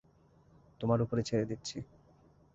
তোমার ওপরই ছেড়ে দিচ্ছি।